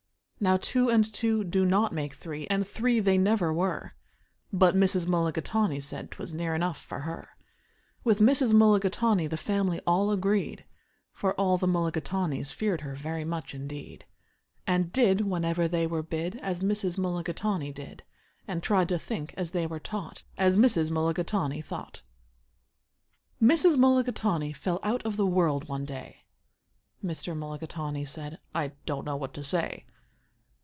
Now two and two do not make three, and three they never were; But Mrs. Mulligatawny said 'twas near enough for her. With Mrs. Mulligatawny the family all agreed, For all the Mulligatawnys feared her very much indeed, And did, whenever they were bid, As Mrs. Mulligatawny did, And tried to think, as they were taught, As Mrs. Mulligatawny thought. Mrs. Mulligatawny fell out of the world one day. Mr. Mulligatawny said, "I don't know what to say."